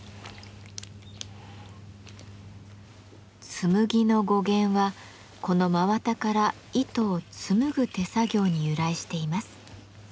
「紬」の語源はこの真綿から糸を紡ぐ手作業に由来しています。